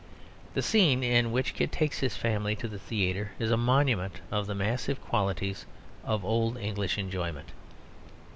The scene in which Kit takes his family to the theatre is a monument of the massive qualities of old English enjoyment.